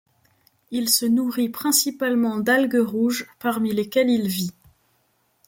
Il se nourrit principalement d'algues rouges parmi lesquelles il vit.